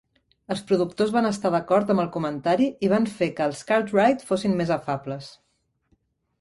Els productors van estar d'acord amb el comentari i van fer que els Cartwright fossin més afables.